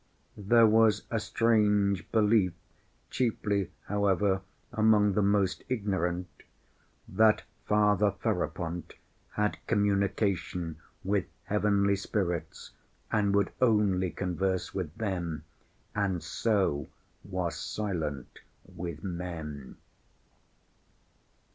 There was a strange belief, chiefly however among the most ignorant, that Father Ferapont had communication with heavenly spirits and would only converse with them, and so was silent with men.